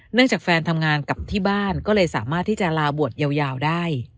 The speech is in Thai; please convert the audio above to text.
จากแฟนทำงานกลับที่บ้านก็เลยสามารถที่จะลาบวชยาวได้